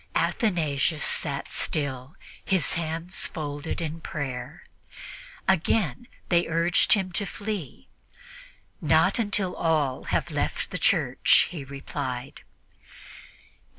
Athanasius sat still, his hands folded in prayer. Again they urged him to flee. "Not until all have left the church," he replied.